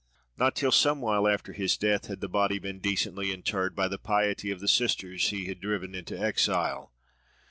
Not till some while after his death had the body been decently interred by the piety of the sisters he had driven into exile.